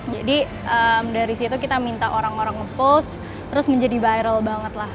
jadi dari situ kita minta orang orang nge post terus menjadi viral banget lah